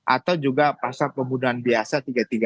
atau juga pasal pembunuhan biasa tiga ratus tiga puluh